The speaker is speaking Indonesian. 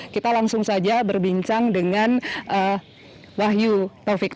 kita langsung saja berbincang dengan wahyu taufik